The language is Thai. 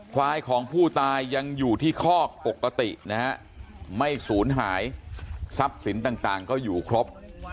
ควายของผู้ตายยังอยู่ที่คอกปกตินะฮะไม่สูญหายทรัพย์สินต่างก็อยู่ครบ